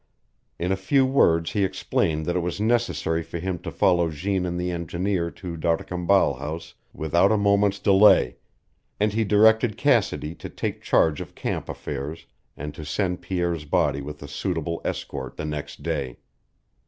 In a few words he explained that it was necessary for him to follow Jeanne and the engineer to D'Arcambal House without a moment's delay, and he directed Cassidy to take charge of camp affairs, and to send Pierre's body with a suitable escort the next day.